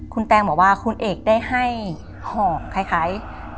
คุณแตงบอกว่าคุณเอกได้ให้ห่อคล้าย